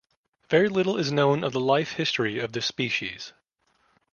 Very little is known of the life history of this species.